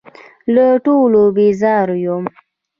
له ټولو بېزاره یم .